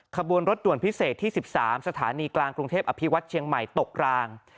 ขบวนรถด่วนพิเศษที่๑๓สถานีกลางกรุงเทพอภิวัติเชียงใหม่ตกราง